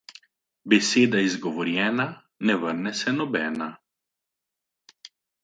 Beseda izgovorjena, ne vrne se nobena.